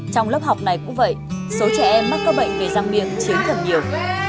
trong lớp học này cũng vậy số trẻ em mắc các bệnh về răng miệng chiếm thật nhiều